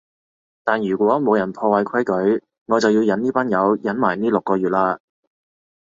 但如果冇人破壞規矩，我就要忍呢班友忍埋呢六個月喇